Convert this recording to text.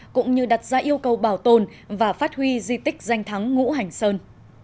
cũng như đặt ra yêu cầu bảo tồn và phát huy di tích danh thắng ngũ hành sơn